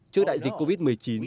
trước đại dịch covid một mươi chín